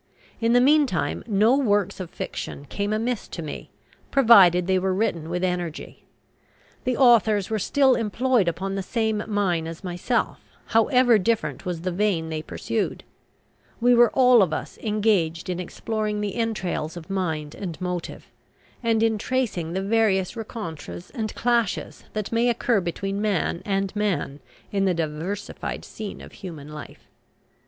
In the meantime no works of fiction came amiss to me, provided they were written with energy. The authors were still employed upon the same mine as myself, however different was the vein they pursued: we were all of us engaged in exploring the entrails of mind and motive, and in tracing the various rencontres and clashes that may occur between man and man in the diversified scene of human life.